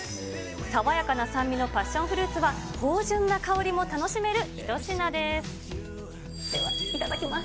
爽やかな酸味のパッションフルーツは、芳じゅんな香りも楽しめる一品です。